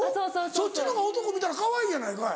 そっちのほうが男見たらかわいいやないかい。